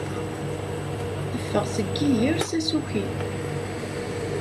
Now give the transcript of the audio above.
Teffeɣ seg iger s asuki.